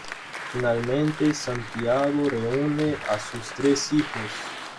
Finalmente Santiago reúne a sus tres hijos.